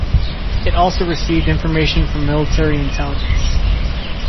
It also received information from military intelligence.